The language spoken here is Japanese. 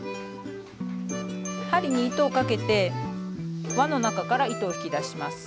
針に糸をかけて輪の中から糸を引き出します。